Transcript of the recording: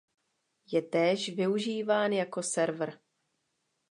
Je též využíván jako server.